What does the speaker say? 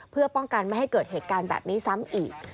เพื่อป้องกันไม่ให้เกิดเหตุการณ์แบบนี้ซ้ำอีก